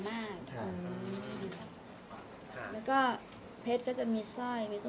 มีเงินสดอะไรแบบนี้ไหมคะที่เปลี่ยนสอด